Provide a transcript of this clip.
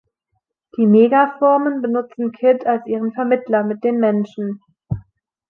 Die Megaformen benutzen Kid als ihren Vermittler mit den Menschen.